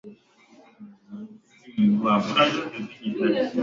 watuhumiwa hao kupanda kizimbani mwezi ujao